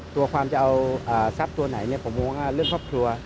ตัวความจะเอาทรัพย์ตัวไหนผมมองว่าเรื่องครอบครัว